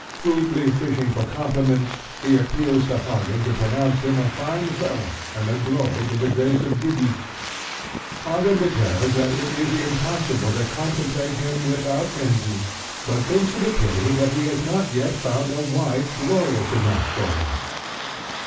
Feebly fishing for compliments, he appeals to Hagen to pronounce him a fine fellow and a glory to the race of Gibich. Hagen declares that it is impossible to contemplate him without envy, but thinks it a pity that he has not yet found a wife glorious enough for him.